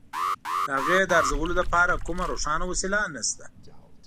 د هغې د ارزولو لپاره کومه روښانه وسیله نشته.